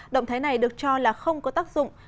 động thái này được cho là không có tác dụng